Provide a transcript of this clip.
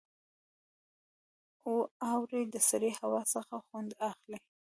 • اور د سړې هوا څخه خوندي کړل.